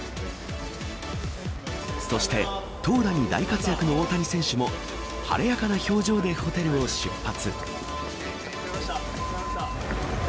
そして投打に大活躍の大谷選手も晴れやかな表情でホテルを出発。